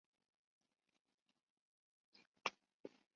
条裂鸢尾兰为兰科鸢尾兰属下的一个种。